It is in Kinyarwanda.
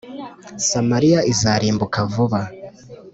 Samariya izarimbuka vuba